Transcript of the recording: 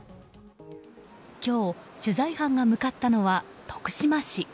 今日、取材班が向かったのは徳島市。